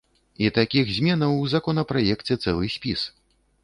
І такіх зменаў ў законапраекце цэлы спіс.